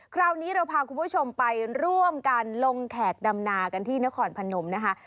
คราวนี้เราพาคุณผู้ชมไปร่วมกันลงแขกดำนากันที่นครพนมนะคะ